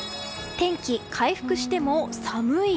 天気回復しても寒い。